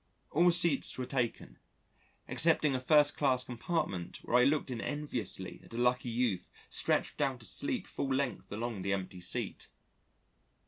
All seats were taken, excepting a first class compartment where I looked in enviously at a lucky youth stretched out asleep full length along the empty seat.